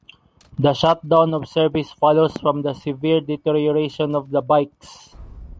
The shutdown of service follows from the severe deterioration of the bikes.